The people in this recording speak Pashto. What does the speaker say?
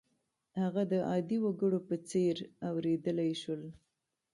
هغه د عادي وګړو په څېر اورېدلای شول.